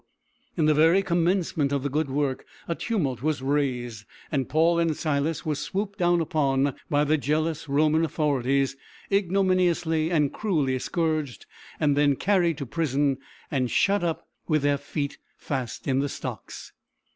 in the very commencement of the good work a tumult was raised, and Paul and Silas were swooped down upon by the jealous Roman authorities, ignominiously and cruelly scourged, and then carried to prison and shut up with their feet fast in the stocks.